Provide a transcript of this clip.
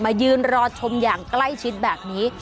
ยืนรอชมอย่างใกล้ชิดแบบนี้